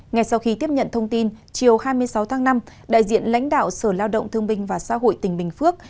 ngay sau khi tiếp nhận thông tin chiều hai mươi sáu tháng năm đại diện lãnh đạo sở lao động thương binh và xã hội tỉnh bình phước